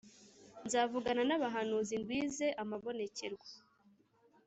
Nzavugana n’abahanuzi, ngwize amabonekerwa,